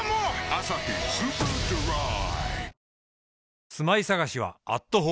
「アサヒスーパードライ」